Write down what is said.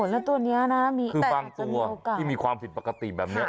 แล้วตัวนี้นะคือบางตัวที่มีความผิดปกติแบบนี้